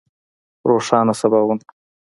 روښانه سباوون